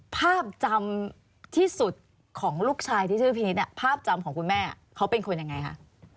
ภาพจำที่สุดของลูกชายที่ชื่อพี่นิดภาพจำของคุณแม่เขาเป็นคนยังไงคะ